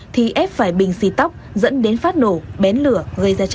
thì ép phải bình xì tóc dẫn đến phát nổ bén lửa gây ra cháy